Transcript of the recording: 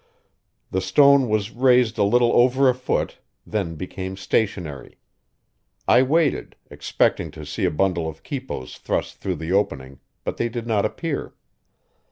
The stone was raised a little over a foot, then became stationary. I waited, expecting to see a bundle of quipos thrust through the opening, but they did not appear.